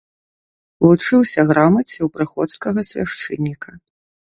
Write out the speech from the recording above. Вучыўся грамаце ў прыходскага свяшчэнніка.